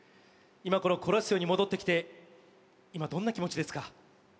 今このコロッセオに戻ってきて今どんな気持ちですか？